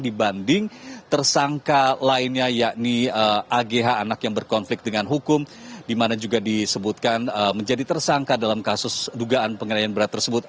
dibanding tersangka lainnya yakni agh anak yang berkonflik dengan hukum di mana juga disebutkan menjadi tersangka dalam kasus dugaan pengendalian berat tersebut